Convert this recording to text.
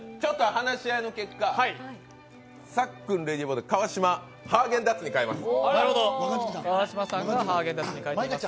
話し合いの結果、さっくんレディーボーデン、川島、ハーゲンダッツに変えます。